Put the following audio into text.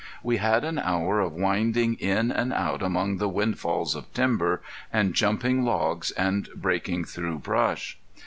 We had an hour of winding in and out among windfalls of timber, and jumping logs, and breaking through brush.